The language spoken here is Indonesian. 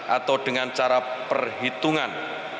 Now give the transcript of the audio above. atau dengan cara perhitungan